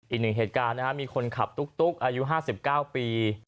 อีกหนึ่งเหตุการณ์นะครับมีคนขับตุ๊กอายุ๕๙ปี